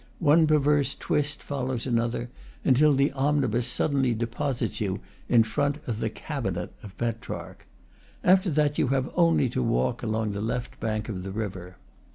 One perverse twist follows another, until the omnibus suddenly deposits you in front of the "cabinet" of Petrarch. After that you have only to walk along the left bank of the river.